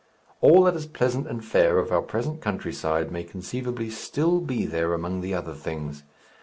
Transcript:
All that is pleasant and fair of our present countryside may conceivably still be there among the other things.